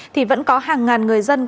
thì vẫn có hàng ngàn người dân